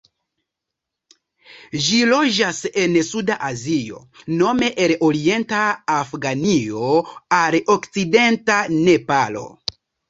Ĝi loĝas en suda Azio, nome el orienta Afganio al okcidenta Nepalo.